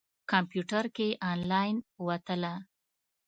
کمپیوټر کې یې انلاین وتله.